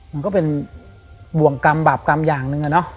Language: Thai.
มันก็เป็นบ่วงกรรมบาปกรรมอย่างหนึ่งอะเนาะ